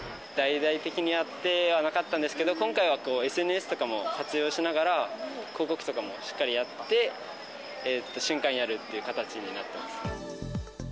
大々的にやってはなかったんですけど、今回はＳＮＳとかも活用しながら、広告とかもしっかりやって、新歓やるっていう形になってます。